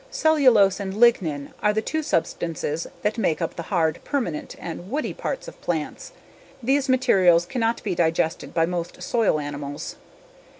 Cellulose and lignin are the two substances that make up the hard, permanent, and woody parts of plants; these materials cannot be digested by most soil animals.